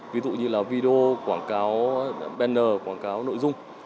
ví dụ như là video quảng cáo benner quảng cáo nội dung